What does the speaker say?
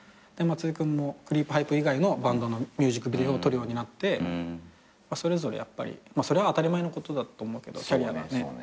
で松居君もクリープハイプ以外のバンドのミュージックビデオを撮るようになってそれぞれやっぱりそれは当たり前のことだと思うけど。